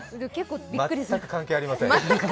全く関係ありません。